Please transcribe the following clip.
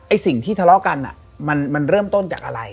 สิ่งที่ทะเลาะกันมันเริ่มต้นจากอะไร